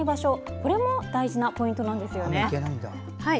これも大事なポイントなんですね。